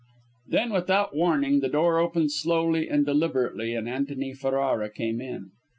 Then, without warning, the door opened slowly and deliberately, and Antony Ferrara came in.